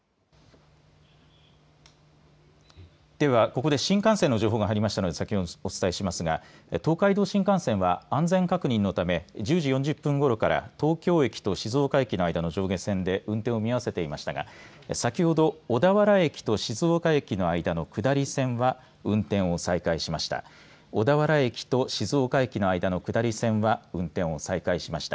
では、ここで新幹線の情報が入りましたので先にお伝えしますが東海道新幹線は安全確認のため１０時４０分ごろから東京駅と静岡駅の間の上下線で運転を見合わせていましたが先ほど小田原駅と静岡駅の間の下り線は運転を再開しました。